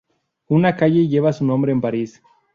Una calle lleva su nombre en París.